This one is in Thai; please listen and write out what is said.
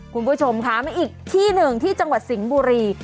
คุณผู้ชมค่ะมาอีกที่หนึ่งที่จังหวัดสิงห์บุรี